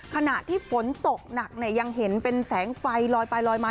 ขณะที่ฝนตกหนักเนี่ยยังเห็นเป็นแสงไฟลอยไปลอยมา